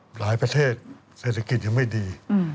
ประเทศเศรษฐกิจยังไม่ดี